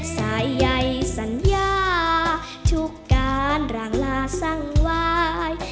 สายใยสัญญาทุกการหลังลาสังวาย